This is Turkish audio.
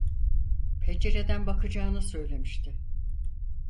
Pencereden bakacağını söylemişti.